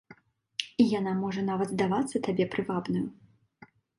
І яна можа нават здавацца табе прывабнаю.